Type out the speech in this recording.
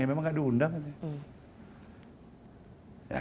ya memang tidak diundang